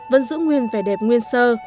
vẫn giữ nguyên vẻ đẹp nguyên sơ